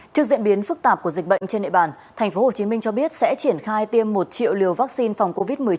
trước diễn biến phức tạp của dịch bệnh trên địa bàn tp hcm cho biết sẽ triển khai tiêm một triệu liều vaccine phòng covid một mươi chín